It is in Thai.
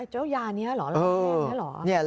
เจ้ายานี้หรอแรงนี้หรอ